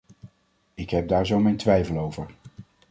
Ik heb daar zo mijn twijfel over.